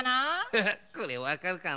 フフッこれわかるかな？